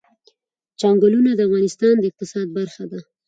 چنګلونه د افغانستان د اقتصاد برخه ده.